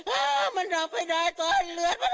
อ่ามันทำไม